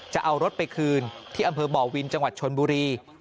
จะเอารถไปคืนที่อำเภอบ่อวินจังหวัดชนบุรี